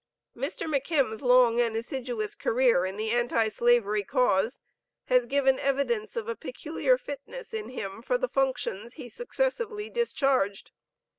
Mr. McKim's long and assiduous career in the anti slavery cause, has given evidence of a peculiar fitness in him for the functions he successively discharged.